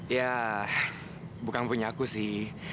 ya bukan punya aku sih